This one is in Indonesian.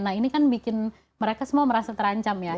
nah ini kan bikin mereka semua merasa terancam ya